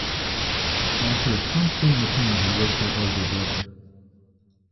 Author Compton Mackenzie was her elder brother.